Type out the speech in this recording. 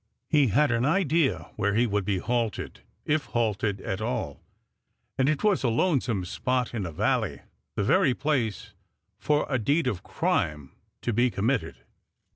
He had an idea where he would be halted, if halted at all, and it was a lonesome spot in a valley, the very place for a deed of crime to be committed.